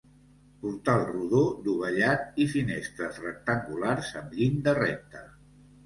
Portal rodó dovellat i finestres rectangulars amb llinda recta.